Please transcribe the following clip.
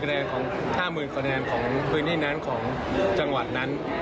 ๕๐๐๐๐คะแนนของพื้นที่นั้นของจังหวัดนั้น